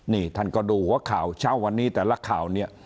นี่ท่านก็ดูหัวข่าวเช้าวันนี้แต่ละข่าวเนี่ย